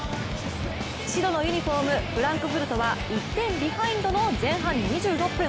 白のユニフォームフランクフルトは１点ビハインドの前半２６分。